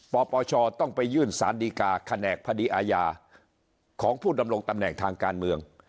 ปปชต้องไปยื่นสารดีกาแขนกคดีอาญาของผู้ดำรงตำแหน่งทางการเมือง